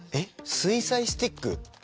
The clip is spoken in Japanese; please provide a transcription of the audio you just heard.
水彩スティック？